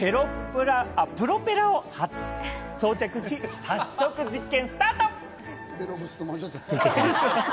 プロペラを装着し、早速実験スタート！